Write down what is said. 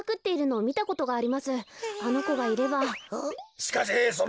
しかしその